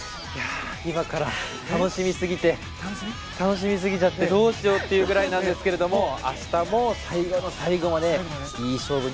今から楽しみすぎちゃってどうしようっていうぐらいなんですけど明日も最後の最後までいい勝負